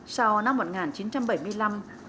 sau năm một nghìn chín trăm bảy mươi năm